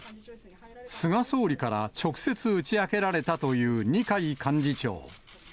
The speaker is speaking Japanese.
菅総理から直接打ち明けられたという二階幹事長。